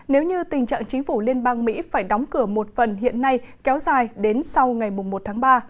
nếu như tình trạng chính phủ liên bang mỹ phải đóng cửa một phần hiện nay kéo dài đến sau ngày một tháng ba